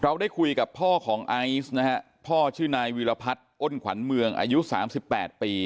ได้คุยกับพ่อของไอซ์นะฮะพ่อชื่อนายวิรพัฒน์อ้นขวัญเมืองอายุ๓๘ปี